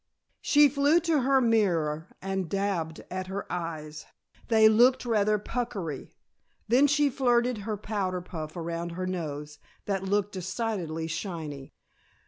She flew to her mirror and daubbed at her eyes; they looked rather puckery. Then she flirted her powder puff around her nose, that looked decidedly shiny.